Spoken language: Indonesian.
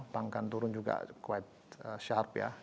bank kan turun juga quide sharp ya